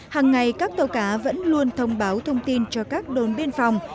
hàng ngày các tàu cá vẫn luôn thông báo thông tin cho các đồn biên phòng